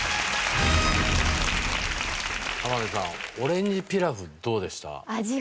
浜辺さんオレンジピラフどうでした？